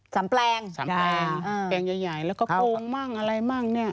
สามแปลงสามแปลงแปลงใหญ่แล้วก็โกงบ้างอะไรบ้างเนี่ย